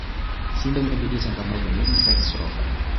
simba imepitia changamoto nyingi za kisoka